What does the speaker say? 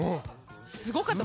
すごかった。